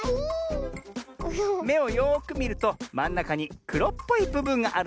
めをよくみるとまんなかにくろっぽいぶぶんがあるだろう？